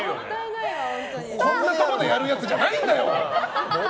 こんなところでやるやつじゃないんだよ！